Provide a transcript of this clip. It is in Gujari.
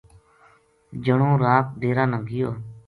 جنو رات ڈیرا نا گیو